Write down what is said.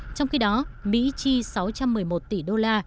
trong khi đó mỹ chi sáu trăm một mươi một tỷ đô la